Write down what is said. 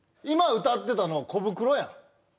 今歌ってたのはコブクロやん